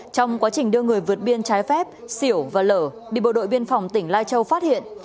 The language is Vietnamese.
trong quá trình đưa người vượt biên trái phép siểu và lở bị bộ đội biên phòng tỉnh lai châu phát hiện